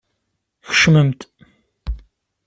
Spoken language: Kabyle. Kecmem-d.